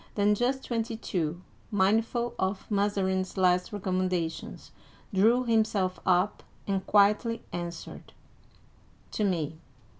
then just twenty two, mindful of Mazarin's last recommen dations, drew himself up and quietly answered, " To me.